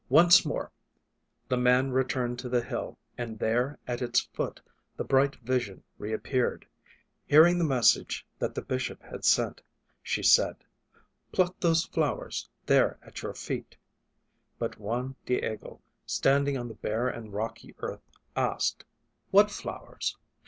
Once more the man returned to the hill and there at its foot the bright vision reap peared. Hearing the message that the bishop had sent, she said, "Pluck those flowers there at your feet." But Juan Diego, standing on the bare and rocky earth, asked, "What flowers?"